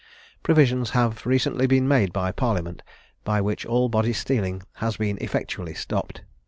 Provisions have recently been made by Parliament, by which all body stealing has been effectually stopped.